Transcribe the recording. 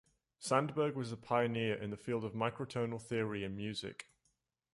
Sandberg was a pioneer in the field of microtonal theory and music.